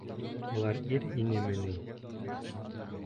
Улар ир инеме ни?